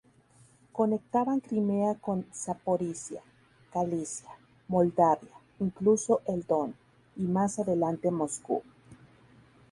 Conectaban Crimea con Zaporizhia, Galicia, Moldavia, incluso el Don, y más adelante Moscú.